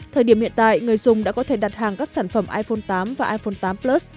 thời điểm hiện tại người dùng đã có thể đặt hàng các sản phẩm iphone tám và iphone tám plus